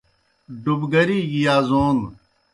ڈوبگری گیْ یازون